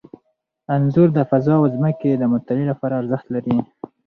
انځور د فضا او ځمکې د مطالعې لپاره ارزښت لري.